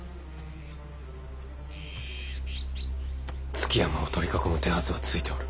築山を取り囲む手はずはついておる。